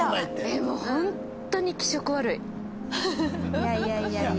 いやいやいやいや。